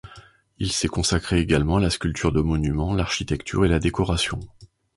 Il s'est consacré également à la sculpture de monuments, l'architecture et la décoration.